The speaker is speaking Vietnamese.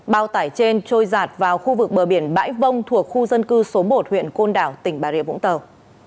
bao tải trên trôi giạt vào khu vực bờ biển bãi vông thuộc khu dân cư số một huyện côn đảo tỉnh bà rịa vũng tàu